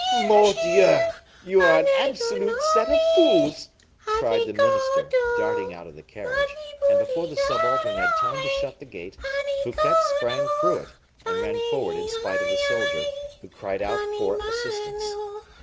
"Mordieu! you are an absolute set of fools," cried the minister, darting out of the carriage; and before the subaltern had time to shut the gate, Fouquet sprang through it, and ran forward in spite of the soldier, who cried out for assistance.